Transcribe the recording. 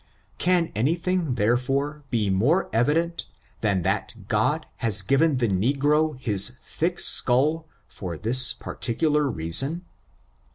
Can any thing, therefore, be more evident, than that God has given the negro his thick skull for this par ticular reason